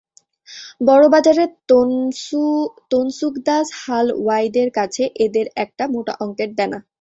বড়োবাজারের তনসুকদাস হালওয়াইদের কাছে এদের একটা মোটা অঙ্কের দেনা।